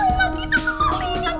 rumah kita kemulingan poppy